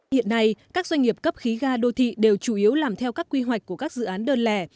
hiện nay các doanh nghiệp cấp khí ga đô thị đều chủ yếu làm theo các quy hoạch của các dự án đơn lẻ